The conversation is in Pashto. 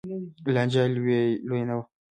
لانجه یې لویه نه وه